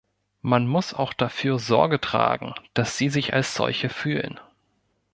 Man muss auch dafür Sorge tragen, dass sie sich als solche fühlen.